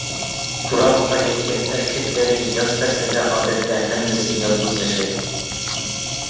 قۇرامىغا يەتكەن ئەركەكلىرى ياز پەسلىدە ئادەتتە ھەممىسى يالغۇز ياشايدۇ.